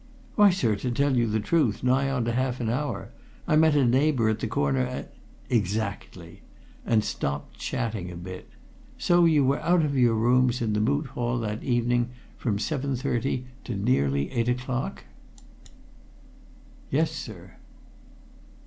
"Why, sir, to tell you the truth, nigh on to half an hour. I met a neighbour at the corner and " "Exactly! And stopped chatting a bit. So you were out of your rooms in the Moot Hall that evening from 7.30 to nearly eight o'clock?" "Yes, sir."